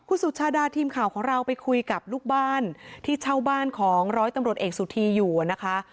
คุณสุชาดาทีมข่าวของเราไปคุยกับลูกบ้านที่เช่าบ้านของร้อยตำรวจเอกสุธีอยู่นะคะ